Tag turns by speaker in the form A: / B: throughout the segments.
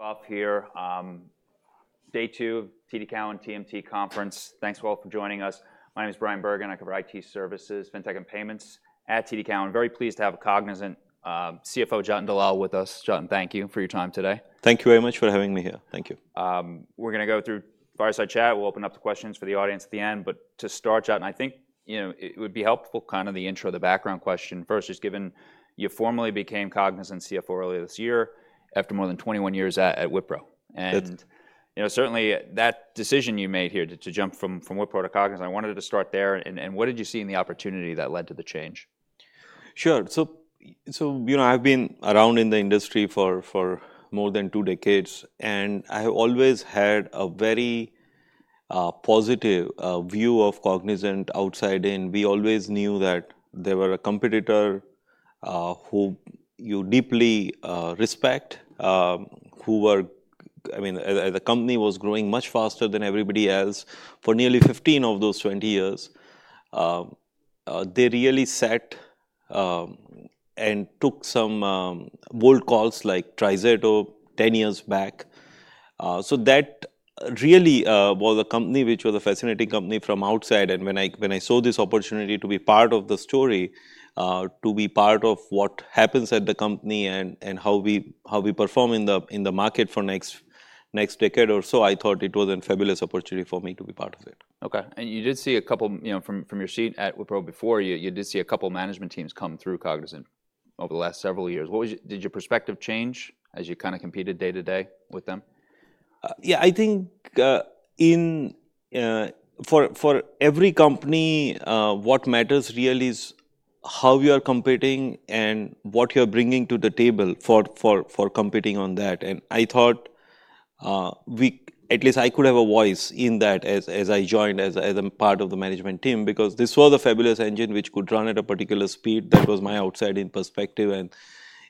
A: Off here. Day two, TD Cowen TMT Conference. Thanks all for joining us. My name is Bryan Bergin, I cover IT services, fintech and payments at TD Cowen. Very pleased to have a Cognizant CFO, Jatin Dalal, with us. Jatin, thank you for your time today.
B: Thank you very much for having me here. Thank you.
A: We're gonna go through fireside chat. We'll open up the questions for the audience at the end. But to start, Jatin, I think, you know, it would be helpful, kind of the intro, the background question first, just given you formally became Cognizant CFO earlier this year, after more than 21 years at Wipro.
B: Good.
A: You know, certainly that decision you made here to jump from Wipro to Cognizant. I wanted to start there, and what did you see in the opportunity that led to the change?
B: Sure. So, you know, I've been around in the industry for more than two decades, and I have always had a very positive view of Cognizant outside in. We always knew that they were a competitor who you deeply respect who were. I mean, the company was growing much faster than everybody else for nearly 15 of those 20 years. They really set and took some bold calls like TriZetto, 10 years back. So that really was a company which was a fascinating company from outside. When I saw this opportunity to be part of the story, to be part of what happens at the company and how we perform in the market for next decade or so, I thought it was a fabulous opportunity for me to be part of it.
A: Okay. And you did see a couple, you know, from your seat at Wipro before you, you did see a couple of management teams come through Cognizant over the last several years. What was your... Did your perspective change as you kind of competed day to day with them?
B: Yeah, I think for every company what matters really is how you are competing and what you're bringing to the table for competing on that. And I thought at least I could have a voice in that as I joined as a part of the management team, because this was a fabulous engine which could run at a particular speed. That was my outside-in perspective.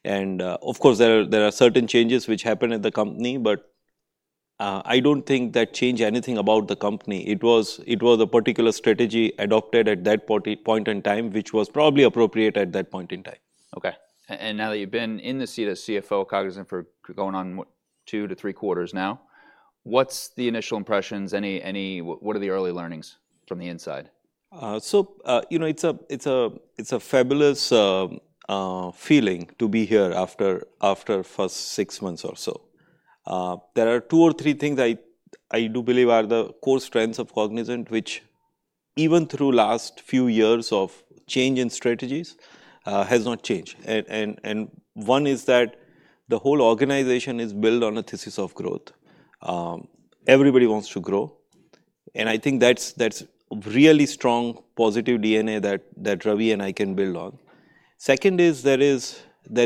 B: And of course there are certain changes which happened at the company, but I don't think that changed anything about the company. It was a particular strategy adopted at that point in time, which was probably appropriate at that point in time.
A: Okay. Now that you've been in the seat as CFO at Cognizant for going on what, 2-3 quarters now, what's the initial impressions? Any... What are the early learnings from the inside?
B: So, you know, it's a fabulous feeling to be here after first six months or so. There are two or three things I do believe are the core strengths of Cognizant, which even through last few years of change in strategies has not changed. One is that the whole organization is built on a thesis of growth. Everybody wants to grow, and I think that's really strong, positive DNA that Ravi and I can build on. Second is, there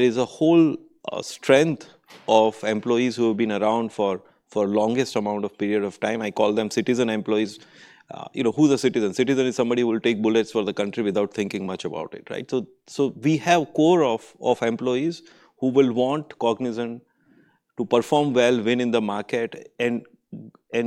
B: is a whole strength of employees who have been around for longest amount of period of time. I call them citizen employees. You know, who's a citizen? Citizen is somebody who will take bullets for the country without thinking much about it, right? So we have core of employees who will want Cognizant to perform well, win in the market, and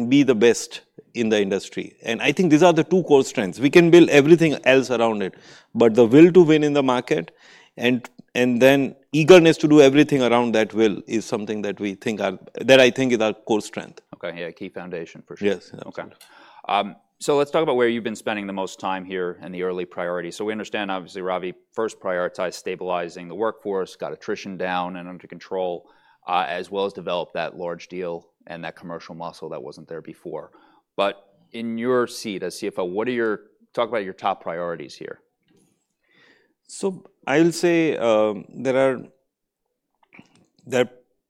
B: be the best in the industry. And I think these are the two core strengths. We can build everything else around it, but the will to win in the market, and then eagerness to do everything around that will, is something that we think that I think is our core strength.
A: Okay. Yeah, key foundation, for sure.
B: Yes.
A: Okay. So let's talk about where you've been spending the most time here and the early priorities. So we understand, obviously, Ravi first prioritized stabilizing the workforce, got attrition down and under control, as well as developed that large deal and that commercial muscle that wasn't there before. But in your seat as CFO, what are your... Talk about your top priorities here.
B: So I'll say, there are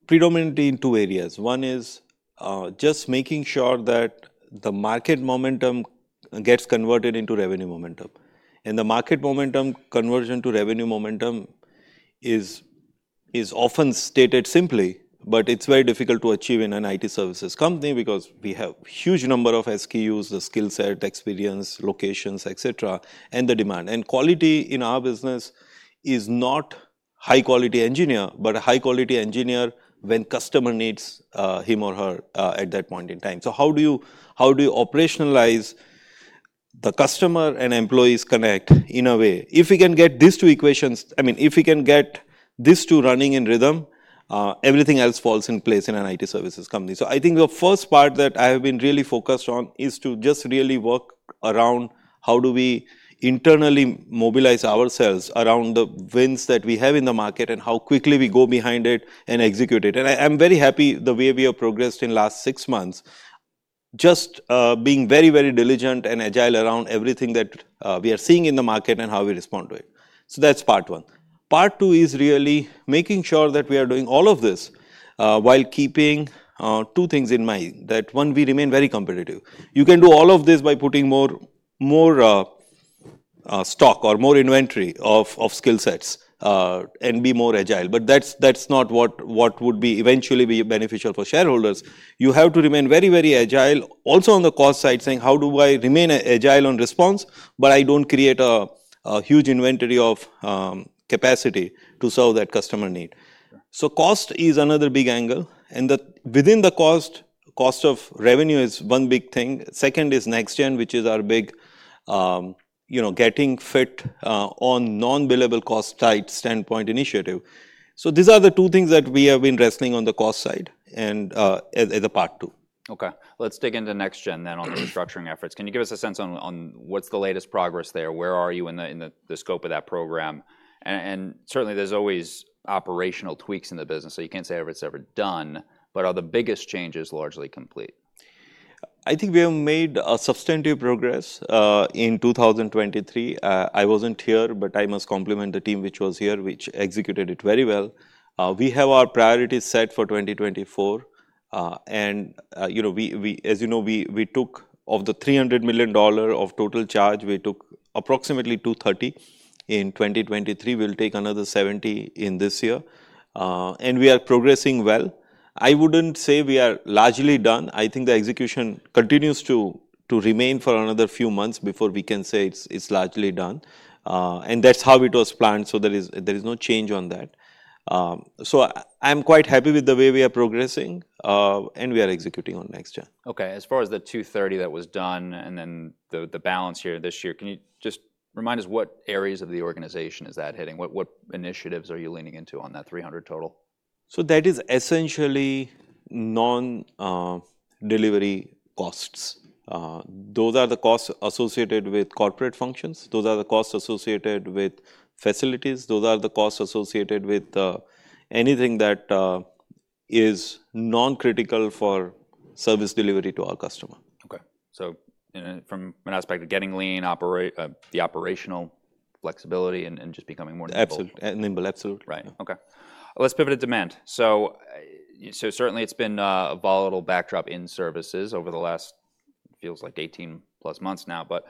B: predominantly in two areas. One is just making sure that the market momentum gets converted into revenue momentum. And the market momentum conversion to revenue momentum is often stated simply, but it's very difficult to achieve in an IT services company because we have huge number of SKUs, the skill set, experience, locations, et cetera, and the demand. And quality in our business is not high quality engineer, but a high quality engineer when customer needs him or her at that point in time. So how do you operationalize the customer and employees connect in a way? If we can get these two equations... I mean, if we can get these two running in rhythm, everything else falls in place in an IT services company. So I think the first part that I have been really focused on is to just really work around how do we internally mobilize ourselves around the wins that we have in the market, and how quickly we go behind it and execute it. And I, I'm very happy the way we have progressed in last six months, just, being very, very diligent and agile around everything that, we are seeing in the market and how we respond to it. So that's part one. Part two is really making sure that we are doing all of this, while keeping, two things in mind: That, one, we remain very competitive. You can do all of this by putting more stock or more inventory of skill sets and be more agile, but that's not what would eventually be beneficial for shareholders. You have to remain very, very agile. Also, on the cost side, saying: "How do I remain agile on response, but I don't create a huge inventory of capacity to solve that customer need?
A: Sure.
B: So cost is another big angle, and within the cost. Cost of revenue is one big thing. Second is NextGen, which is our big, you know, getting fit on non-billable cost type standpoint initiative. So these are the two things that we have been wrestling on the cost side, and as a part two.
A: Okay, let's dig into NextGen then on the restructuring efforts. Can you give us a sense on what's the latest progress there? Where are you in the scope of that program? And certainly, there's always operational tweaks in the business, so you can't say if it's ever done, but are the biggest changes largely complete?
B: I think we have made a substantive progress in 2023. I wasn't here, but I must compliment the team which was here, which executed it very well. We have our priorities set for 2024. You know, as you know, we took... Of the $300 million of total charge, we took approximately $230. In 2023, we'll take another $70 in this year, and we are progressing well. I wouldn't say we are largely done. I think the execution continues to remain for another few months before we can say it's largely done. And that's how it was planned, so there is no change on that. So I'm quite happy with the way we are progressing, and we are executing on NextGen.
A: Okay, as far as the $230 that was done, and then the balance here this year, can you just remind us what areas of the organization is that hitting? What initiatives are you leaning into on that $300 total?
B: So that is essentially non-delivery costs. Those are the costs associated with corporate functions, those are the costs associated with facilities, those are the costs associated with anything that is non-critical for service delivery to our customer.
A: Okay. So, from an aspect of getting lean, the operational flexibility and just becoming more nimble.
B: Absolutely. And nimble, absolutely.
A: Right, okay. Let's pivot to demand. So certainly, it's been a volatile backdrop in services over the last, feels like 18+ months now. But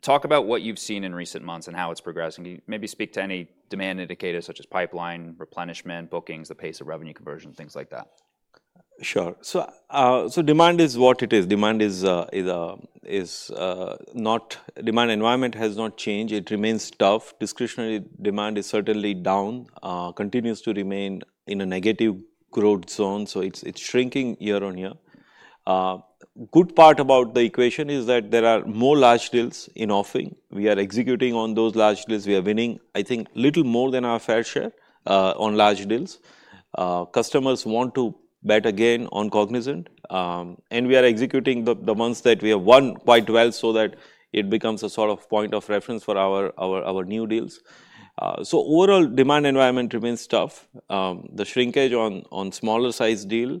A: talk about what you've seen in recent months and how it's progressing. Can you maybe speak to any demand indicators, such as pipeline, replenishment, bookings, the pace of revenue conversion, things like that?
B: Sure. So, so demand is what it is. Demand environment has not changed, it remains tough. Discretionary demand is certainly down, continues to remain in a negative growth zone, so it's shrinking year-on-year. Good part about the equation is that there are more large deals in offering. We are executing on those large deals. We are winning, I think, little more than our fair share, on large deals. Customers want to bet again on Cognizant, and we are executing the ones that we have won quite well, so that it becomes a sort of point of reference for our new deals. So overall demand environment remains tough. The shrinkage on smaller size deal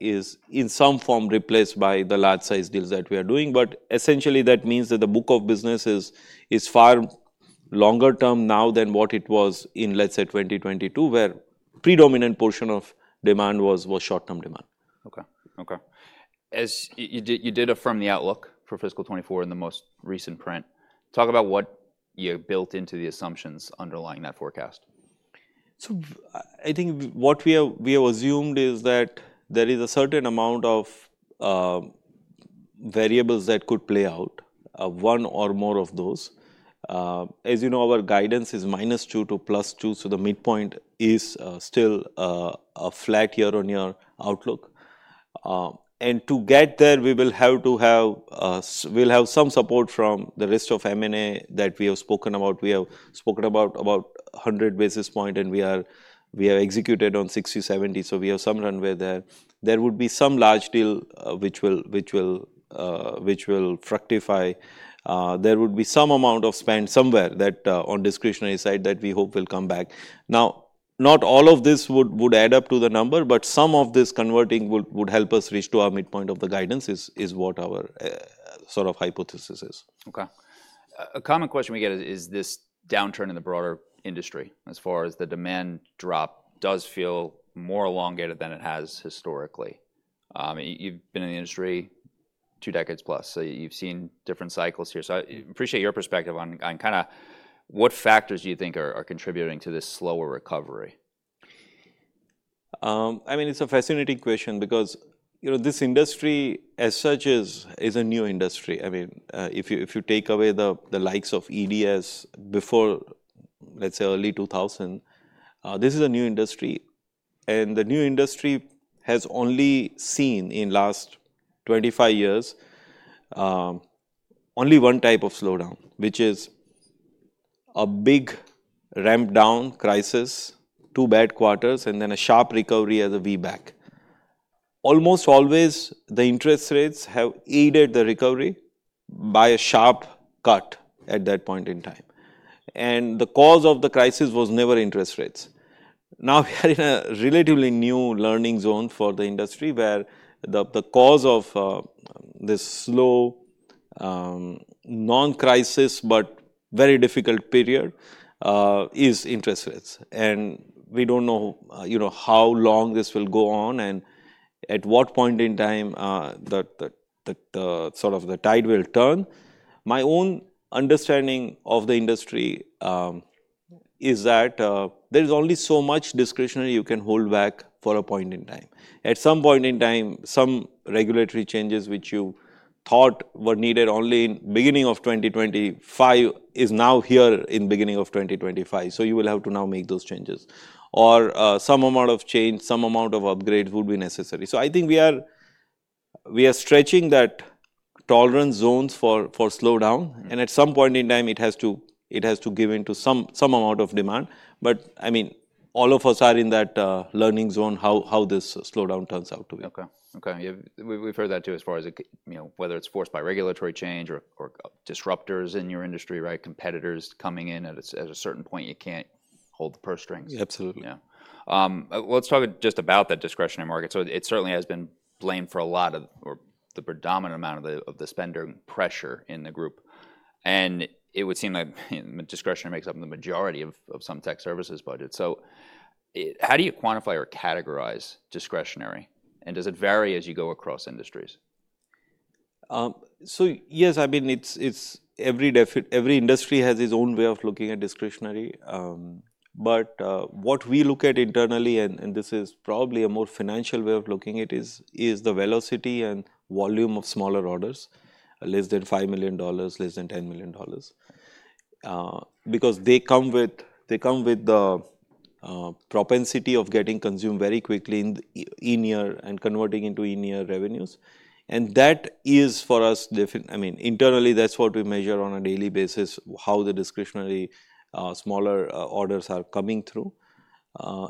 B: is in some form replaced by the large size deals that we are doing. But essentially, that means that the book of business is far longer term now than what it was in, let's say, 2022, where predominant portion of demand was short-term demand.
A: Okay. You did affirm the outlook for fiscal 2024 in the most recent print. Talk about what you built into the assumptions underlying that forecast.
B: So, I think what we have, we have assumed is that there is a certain amount of variables that could play out, one or more of those. As you know, our guidance is -2 to +2, so the midpoint is still a flat year-on-year outlook. To get there, we will have to have, we'll have some support from the rest of M&A that we have spoken about. We have spoken about about 100 basis points, and we have executed on 60-70, so we have some runway there. There would be some large deal, which will, which will, which will fructify. There would be some amount of spend somewhere that, on discretionary side that we hope will come back. Now, not all of this would add up to the number, but some of this converting would help us reach to our midpoint of the guidance, is what our sort of hypothesis is.
A: Okay. A common question we get is, is this downturn in the broader industry as far as the demand drop does feel more elongated than it has historically? You've been in the industry two decades plus, so you've seen different cycles here. So I appreciate your perspective on kinda what factors you think are contributing to this slower recovery.
B: I mean, it's a fascinating question because, you know, this industry as such is a new industry. I mean, if you take away the likes of EDS before, let's say, early 2000, this is a new industry. The new industry has only seen, in last 25 years, only one type of slowdown, which is a big ramp down crisis, two bad quarters, and then a sharp recovery as a V back. Almost always, the interest rates have aided the recovery by a sharp cut at that point in time, and the cause of the crisis was never interest rates. Now, we're in a relatively new learning zone for the industry, where the cause of this slow non-crisis but very difficult period is interest rates. And we don't know, you know, how long this will go on, and at what point in time, the sort of the tide will turn. My own understanding of the industry, is that, there's only so much discretionary you can hold back for a point in time. At some point in time, some regulatory changes which you thought were needed only in beginning of 2025 is now here in beginning of 2025, so you will have to now make those changes, or, some amount of change, some amount of upgrade will be necessary. So I think we are stretching that tolerance zones for slowdown, and at some point in time, it has to give in to some amount of demand. But, I mean, all of us are in that learning zone, how this slowdown turns out to be.
A: Okay. Okay. Yeah, we've heard that, too, as far as it—you know, whether it's forced by regulatory change or disruptors in your industry, right? Competitors coming in. At a certain point, you can't hold the purse strings.
B: Absolutely.
A: Yeah. Let's talk just about the discretionary market. It certainly has been blamed for a lot of, or the predominant amount of the spender pressure in the group, and it would seem like discretionary makes up the majority of some tech services budget. How do you quantify or categorize discretionary, and does it vary as you go across industries?
B: So yes, I mean, it's every industry has its own way of looking at discretionary. But what we look at internally, and this is probably a more financial way of looking at it, is the velocity and volume of smaller orders, less than $5 million, less than $10 million. Because they come with the propensity of getting consumed very quickly in-year and converting into in-year revenues, and that is for us. I mean, internally, that's what we measure on a daily basis, how the discretionary smaller orders are coming through.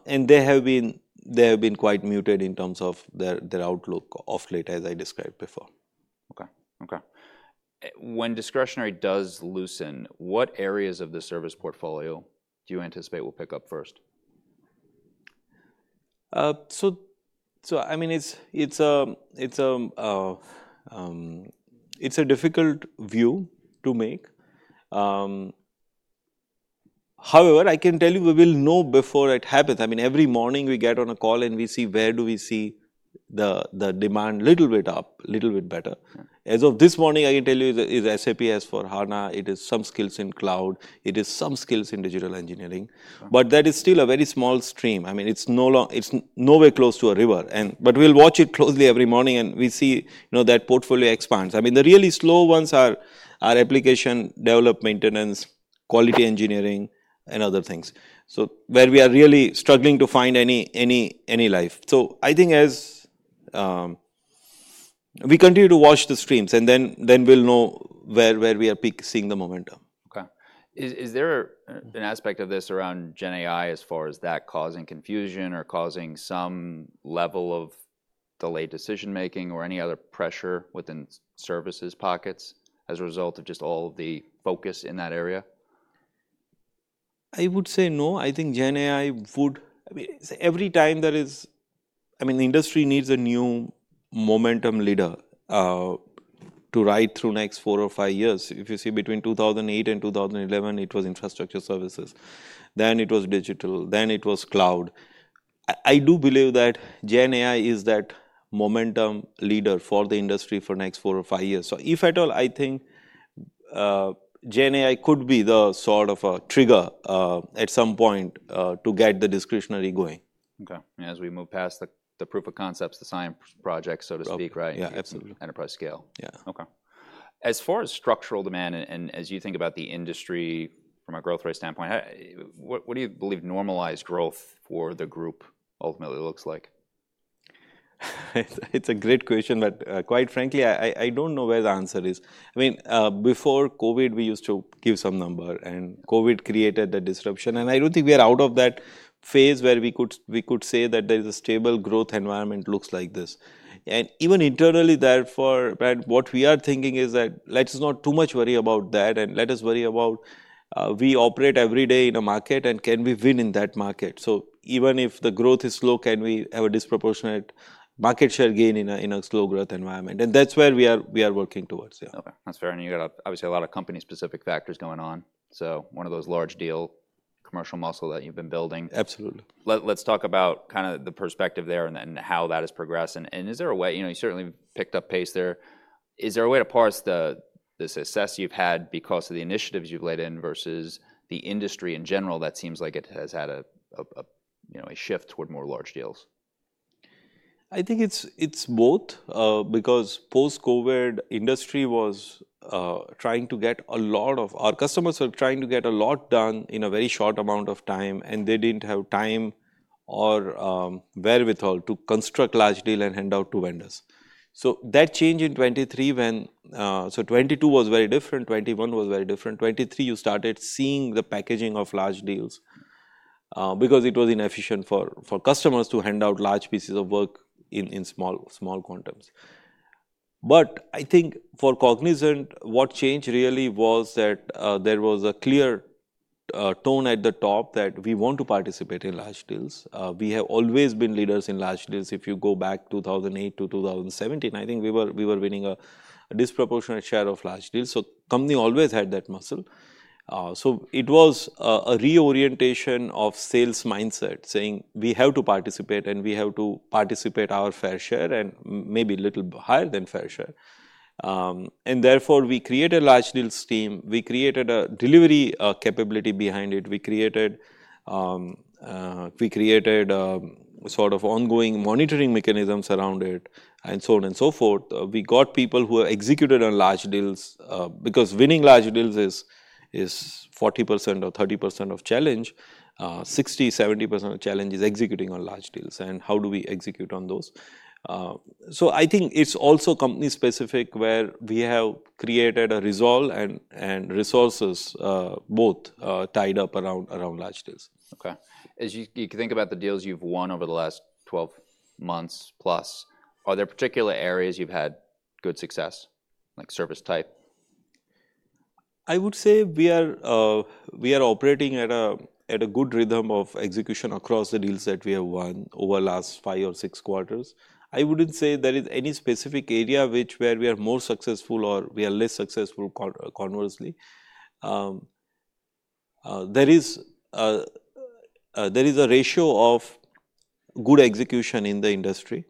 B: And they have been quite muted in terms of their outlook of late, as I described before.
A: Okay. Okay, when discretionary does loosen, what areas of the service portfolio do you anticipate will pick up first?
B: I mean, it's a difficult view to make. However, I can tell you, we will know before it happens. I mean, every morning we get on a call, and we see where do we see the demand little bit up, little bit better.
A: Okay.
B: As of this morning, I can tell you it's SAP S/4HANA, it is some skills in cloud, it is some skills in digital engineering.
A: Okay.
B: But that is still a very small stream. I mean, it's nowhere close to a river, but we'll watch it closely every morning, and we see, you know, that portfolio expands. I mean, the really slow ones are application development, maintenance, quality engineering, and other things. So where we are really struggling to find any life. So I think as we continue to watch the streams, and then we'll know where we are peaking, seeing the momentum.
A: Okay. Is there an aspect of this around GenAI as far as that causing confusion or causing some level of delayed decision-making or any other pressure within services pockets as a result of just all the focus in that area?
B: I would say no. I think GenAI would. I mean, every time there is—I mean, the industry needs a new momentum leader to ride through next four or five years. If you see between 2008 and 2011, it was infrastructure services, then it was digital, then it was cloud. I do believe that GenAI is that momentum leader for the industry for next four or five years. So if at all, I think GenAI could be the sort of a trigger at some point to get the discretionary going.
A: Okay. As we move past the proof of concepts, the science projects, so to speak, right?
B: Yeah, absolutely.
A: Enterprise scale.
B: Yeah.
A: Okay. As far as structural demand and as you think about the industry from a growth rate standpoint, what do you believe normalized growth for the group ultimately looks like?
B: It's a great question, but quite frankly, I don't know where the answer is. I mean, before COVID, we used to give some number, and COVID created a disruption, and I don't think we are out of that phase where we could say that there is a stable growth environment looks like this. And even internally, therefore, and what we are thinking is that let us not too much worry about that, and let us worry about we operate every day in a market, and can we win in that market? So even if the growth is slow, can we have a disproportionate market share gain in a slow growth environment? And that's where we are working towards, yeah.
A: Okay, that's fair, and you got obviously a lot of company-specific factors going on, so one of those large deal commercial muscle that you've been building.
B: Absolutely.
A: Let's talk about kinda the perspective there and then and how that is progressing. Is there a way... You know, you certainly picked up pace there. Is there a way to parse the success you've had because of the initiatives you've laid in versus the industry in general, that seems like it has had a you know, a shift toward more large deals?
B: I think it's, it's both, because post-COVID, industry was, trying to get a lot of—our customers were trying to get a lot done in a very short amount of time, and they didn't have time or, wherewithal to construct large deal and hand out to vendors. So that changed in 2023 when... So 2022 was very different, 2021 was very different. 2023, you started seeing the packaging of large deals, because it was inefficient for, for customers to hand out large pieces of work in, in small, small quantums. But I think for Cognizant, what changed really was that, there was a clear, tone at the top that we want to participate in large deals. We have always been leaders in large deals. If you go back 2008 to 2017, I think we were winning a disproportionate share of large deals, so company always had that muscle. So it was a reorientation of sales mindset, saying: We have to participate, and we have to participate our fair share and maybe a little higher than fair share. And therefore, we created a large deals team. We created a delivery capability behind it. We created a sort of ongoing monitoring mechanisms around it, and so on and so forth. We got people who executed on large deals because winning large deals is 40% or 30% of challenge, 60%-70% of challenge is executing on large deals and how do we execute on those? So, I think it's also company specific, where we have created a resolve and resources, both tied up around large deals.
A: Okay. As you think about the deals you've won over the last 12 months plus, are there particular areas you've had good success, like service type?
B: I would say we are operating at a good rhythm of execution across the deals that we have won over the last 5 or 6 quarters. I wouldn't say there is any specific area where we are more successful or we are less successful conversely. There is a ratio of good execution in the industry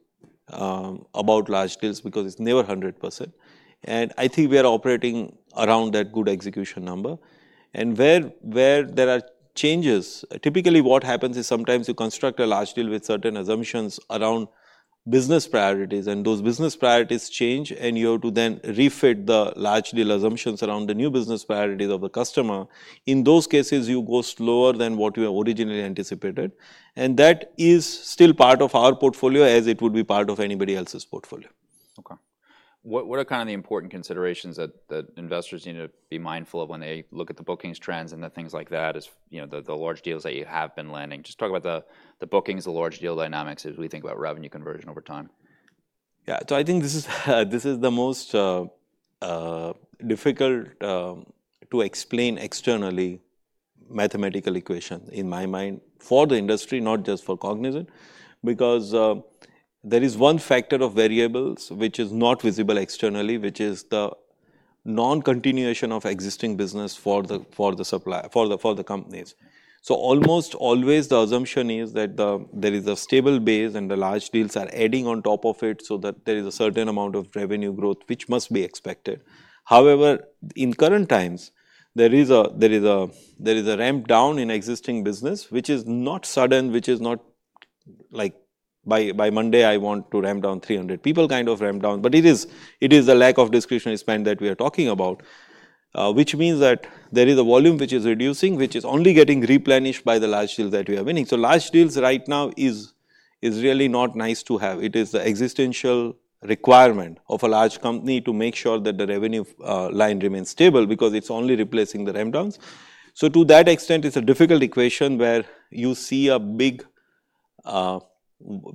B: about large deals because it's never 100%, and I think we are operating around that good execution number. And where there are changes, typically what happens is sometimes you construct a large deal with certain assumptions around business priorities, and those business priorities change, and you have to then refit the large deal assumptions around the new business priorities of the customer. In those cases, you go slower than what you originally anticipated, and that is still part of our portfolio as it would be part of anybody else's portfolio.
A: Okay. What are kind of the important considerations that investors need to be mindful of when they look at the bookings trends and the things like that, as, you know, the large deals that you have been landing? Just talk about the bookings, the large deal dynamics as we think about revenue conversion over time.
B: Yeah. So I think this is, this is the most difficult to explain externally mathematical equation in my mind for the industry, not just for Cognizant, because there is one factor of variables which is not visible externally, which is the non-continuation of existing business for the companies. So almost always the assumption is that there is a stable base and the large deals are adding on top of it, so that there is a certain amount of revenue growth, which must be expected. However, in current times, there is a ramp down in existing business, which is not sudden, which is not like, "By Monday I want to ramp down 300 people," kind of ramp down, but it is a lack of discretionary spend that we are talking about, which means that there is a volume which is reducing, which is only getting replenished by the large deals that we are winning. So large deals right now is really not nice to have. It is an existential requirement of a large company to make sure that the revenue line remains stable, because it's only replacing the ramp downs. So to that extent, it's a difficult equation where you see a big,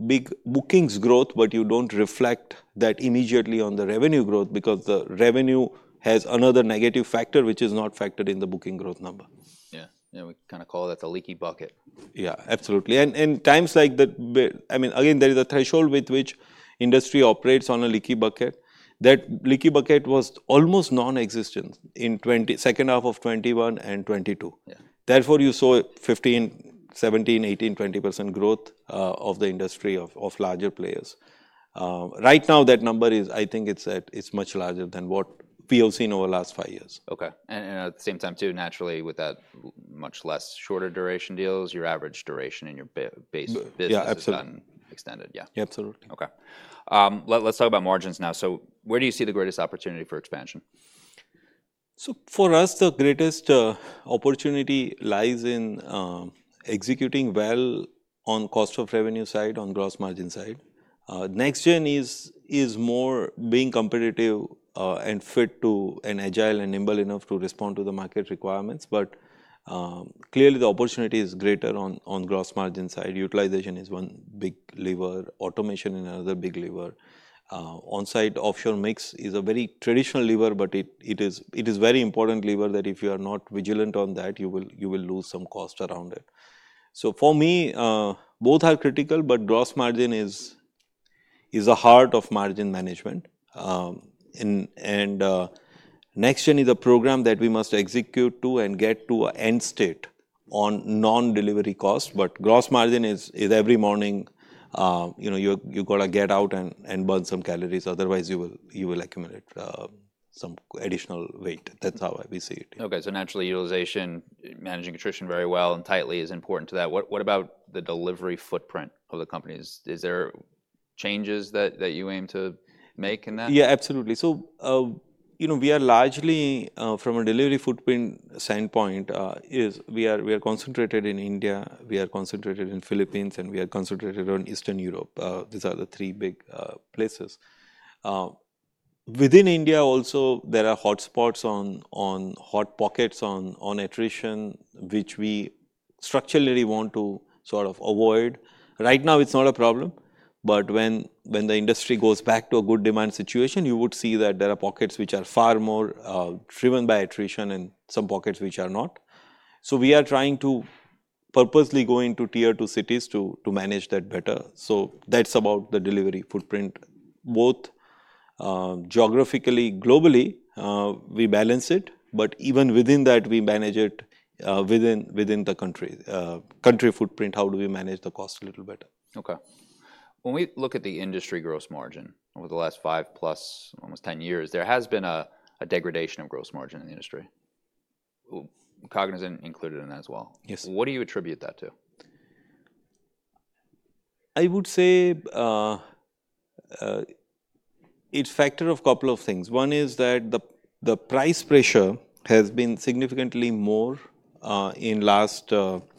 B: big bookings growth, but you don't reflect that immediately on the revenue growth because the revenue has another negative factor, which is not factored in the booking growth number.
A: Yeah. Yeah, we kinda call that the leaky bucket.
B: Yeah, absolutely. And times like that, where... I mean, again, there is a threshold with which industry operates on a leaky bucket. That leaky bucket was almost non-existent in the second half of 2021 and 2022.
A: Yeah.
B: Therefore, you saw 15, 17, 18, 20% growth of the industry of, of larger players. Right now, that number is, I think it's much larger than what we have seen over the last five years.
A: Okay. And at the same time, too, naturally, with that much less shorter duration deals, your average duration and your base-
B: Yeah, absolutely...
A: business has gotten extended. Yeah.
B: Yeah, absolutely.
A: Okay. Let's talk about margins now. So where do you see the greatest opportunity for expansion?
B: So for us, the greatest opportunity lies in executing well on cost of revenue side, on gross margin side. NextGen is more being competitive and fit to and agile and nimble enough to respond to the market requirements. But clearly, the opportunity is greater on gross margin side. Utilization is one big lever, automation is another big lever. On-site, offshore mix is a very traditional lever, but it is very important lever that if you are not vigilant on that, you will lose some cost around it. So for me, both are critical, but gross margin is the heart of margin management. And NextGen is a program that we must execute to and get to an end state on non-delivery costs. Gross Margin is every morning, you know, you got to get out and burn some calories, otherwise you will accumulate some additional weight. That's how we see it.
A: Okay. So naturally, utilization, managing attrition very well and tightly is important to that. What about the delivery footprint of the company? Is there changes that you aim to make in that?
B: Yeah, absolutely. So, you know, we are largely from a delivery footprint standpoint is we are, we are concentrated in India, we are concentrated in Philippines, and we are concentrated on Eastern Europe. These are the three big places. Within India also, there are hot spots on attrition, which we structurally want to sort of avoid. Right now, it's not a problem, but when the industry goes back to a good demand situation, you would see that there are pockets which are far more driven by attrition and some pockets which are not. So we are trying to purposely go into Tier 2 cities to manage that better. So that's about the delivery footprint. Both, geographically, globally, we balance it, but even within that, we manage it within the country. Country footprint, how do we manage the cost a little better?
A: Okay. When we look at the industry gross margin over the last 5+, almost 10 years, there has been a degradation of gross margin in the industry, Cognizant included in that as well.
B: Yes.
A: What do you attribute that to?...
B: I would say, it's factor of couple of things. One is that the price pressure has been significantly more in last few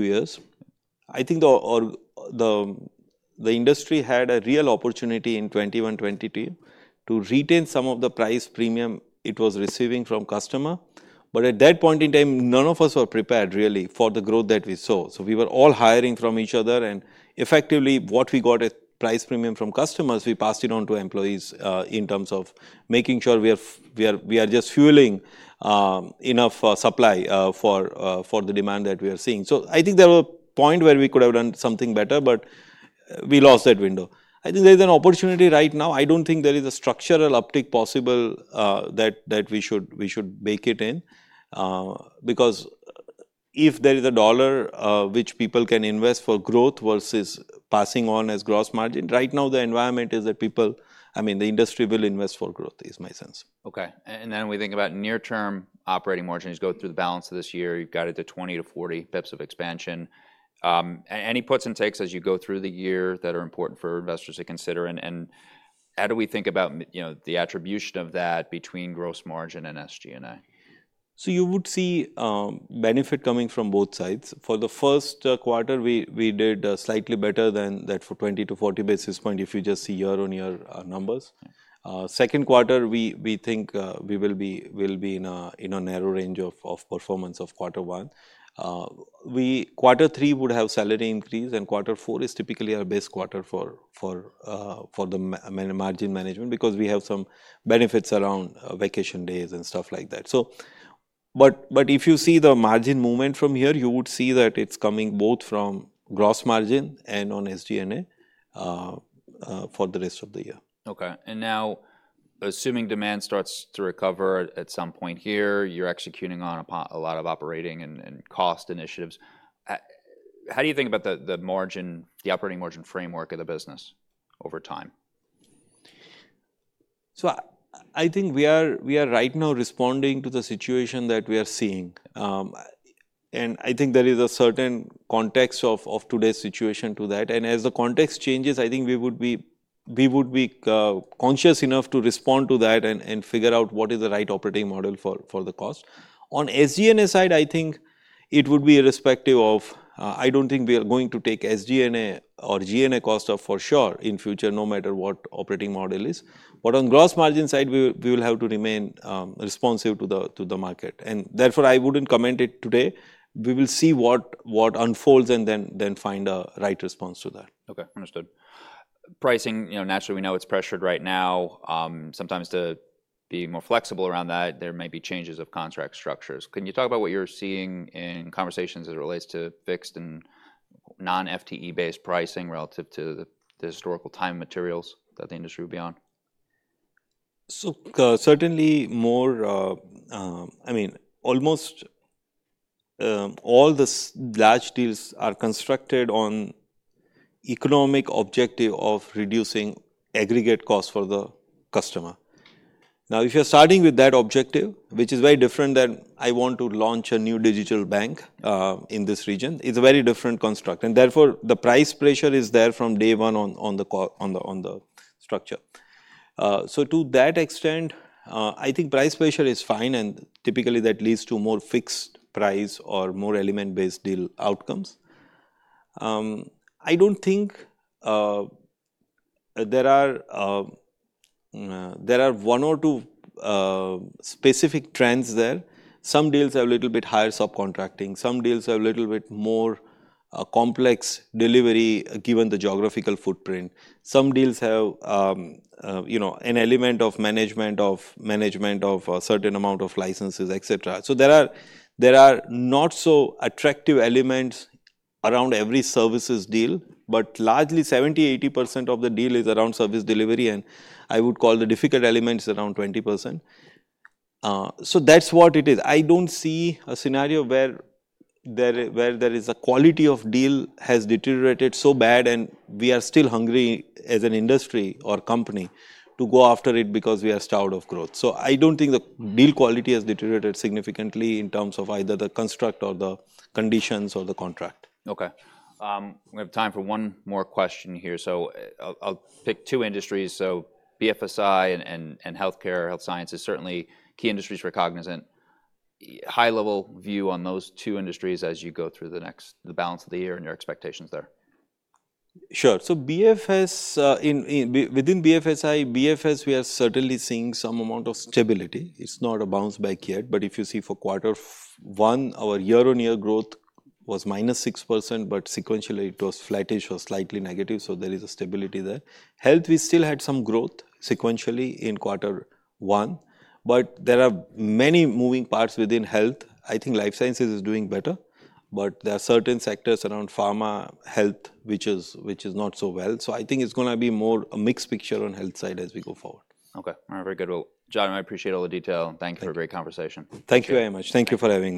B: years. I think the industry had a real opportunity in 2021, 2022, to retain some of the price premium it was receiving from customer. But at that point in time, none of us were prepared, really, for the growth that we saw. So we were all hiring from each other, and effectively, what we got as price premium from customers, we passed it on to employees in terms of making sure we are fueling enough supply for the demand that we are seeing. So I think there were a point where we could have done something better, but we lost that window. I think there is an opportunity right now. I don't think there is a structural uptick possible, that we should bake it in. Because if there is a dollar which people can invest for growth versus passing on as gross margin, right now the environment is that people... I mean, the industry will invest for growth, is my sense.
A: Okay. And then we think about near-term operating margins go through the balance of this year, you've got 20-40 bips of expansion. Any puts and takes as you go through the year that are important for investors to consider? And how do we think about, you know, the attribution of that between gross margin and SG&A?
B: So you would see benefit coming from both sides. For the first quarter, we did slightly better than that, for 20-40 basis points, if you just see year-on-year numbers.
A: Okay.
B: Second quarter, we think we will be, we'll be in a narrow range of performance of quarter one. Quarter three would have salary increase, and quarter four is typically our best quarter for margin management, because we have some benefits around vacation days and stuff like that. But if you see the margin movement from here, you would see that it's coming both from gross margin and on SG&A for the rest of the year.
A: Okay. And now, assuming demand starts to recover at some point here, you're executing on a lot of operating and cost initiatives. How do you think about the margin, the operating margin framework of the business over time?
B: So I think we are right now responding to the situation that we are seeing. And I think there is a certain context of today's situation to that. And as the context changes, I think we would be conscious enough to respond to that and figure out what is the right operating model for the cost. On SG&A side, I think it would be irrespective of... I don't think we are going to take SG&A or G&A cost off for sure in future, no matter what operating model is. But on gross margin side, we will have to remain responsive to the market. And therefore, I wouldn't comment it today. We will see what unfolds and then find a right response to that.
A: Okay, understood. Pricing, you know, naturally, we know it's pressured right now. Sometimes to be more flexible around that, there may be changes of contract structures. Can you talk about what you're seeing in conversations as it relates to fixed and non-FTE-based pricing relative to the historical time and materials that the industry would be on?
B: So, certainly more, I mean, almost all the large deals are constructed on economic objective of reducing aggregate costs for the customer. Now, if you're starting with that objective, which is very different than, "I want to launch a new digital bank in this region," it's a very different construct, and therefore, the price pressure is there from day one on the structure. So to that extent, I think price pressure is fine, and typically that leads to more fixed price or more element-based deal outcomes. I don't think there are one or two specific trends there. Some deals have a little bit higher subcontracting. Some deals have a little bit more complex delivery, given the geographical footprint. Some deals have, you know, an element of management, of management of a certain amount of licenses, et cetera. So there are, there are not-so-attractive elements around every services deal, but largely 70%-80% of the deal is around service delivery, and I would call the difficult elements around 20%. So that's what it is. I don't see a scenario where there is a quality of deal has deteriorated so bad, and we are still hungry as an industry or company to go after it because we are starved of growth. So I don't think the deal quality has deteriorated significantly in terms of either the construct or the conditions or the contract.
A: Okay. We have time for one more question here, so I'll pick two industries. So BFSI and healthcare, Health Sciences, certainly key industries for Cognizant. High-level view on those two industries as you go through the next... the balance of the year, and your expectations there.
B: Sure. So BFS, within BFSI, BFS, we are certainly seeing some amount of stability. It's not a bounce back yet, but if you see for quarter one, our year-on-year growth was -6%, but sequentially, it was flattish or slightly negative, so there is a stability there. Health, we still had some growth sequentially in quarter one, but there are many moving parts within health. I think Life Sciences is doing better, but there are certain sectors around pharma, health, which is not so well. So I think it's gonna be more a mixed picture on health side as we go forward.
A: Okay. All right, very good. Well, Jatin, I appreciate all the detail.
B: Thank you.
A: Thanks for a great conversation.
B: Thank you very much. Thank you for having me.